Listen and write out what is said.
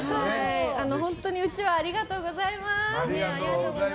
本当にうちわ、ありがとうございます！